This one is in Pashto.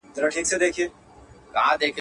اوس د رقیبانو پېغورونو ته به څه وایو.